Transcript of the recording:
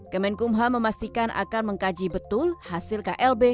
kemenkum ham memastikan akan mengkaji betul hasil klb